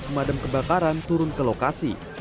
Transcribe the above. pemadam kebakaran turun ke lokasi